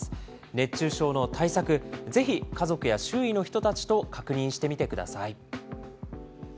熱中症の対策、ぜひ家族や周囲の人たちと確認してみてください。